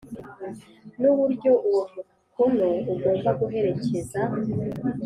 n uburyo uwo mukono ugomba guherekeza